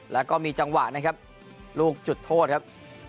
แล้วก็มีจังหวะนะครับลูกจุดโทษครับ